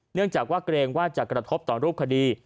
เนื่องจากว่าเกรงว่าจะกระทบต่อรูปคดี